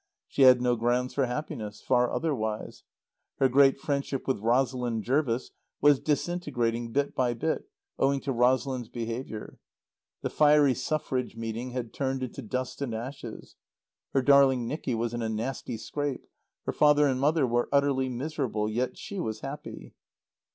She had no grounds for happiness; far otherwise; her great friendship with Rosalind Jervis was disintegrating bit by bit owing to Rosalind's behaviour; the fiery Suffrage meeting had turned into dust and ashes; her darling Nicky was in a nasty scrape; her father and mother were utterly miserable; yet she was happy.